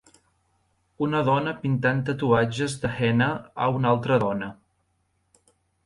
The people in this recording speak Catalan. Una dona pintant tatuatges de henna a una altra dona.